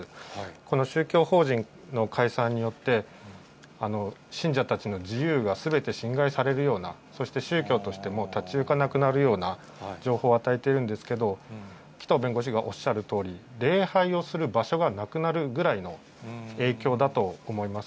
この宗教法人の解散によって、信者たちの自由がすべて侵害されるような、そして宗教としても立ち行かなくなるような情報を与えているんですけど、紀藤弁護士がおっしゃるように、礼拝をする場所がなくなるぐらいの影響だと思います。